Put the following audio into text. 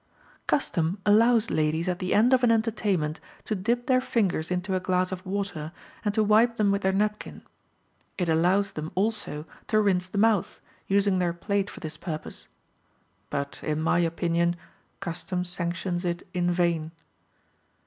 Custom allows ladies at the end of an entertainment to dip their fingers into a glass of water, and to wipe them with their napkin; it allows them also to rinse the mouth, using their plate for this purpose; but, in my opinion, custom sanctions it in vain.